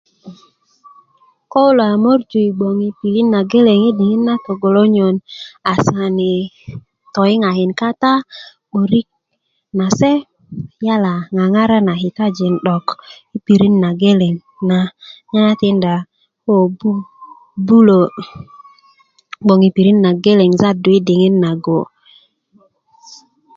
ko kulo a mörju gboŋ i pirit na geleŋ i diŋit na tögölönyön asani toyinŋakin kata 'börik nase yala ŋaŋara na kitajin 'dok i pirit na geleŋ na nye na tinda ko bubulö gboŋ yi pirit nageleŋ jadu yi diŋit na go'